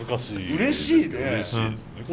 うれしいですね！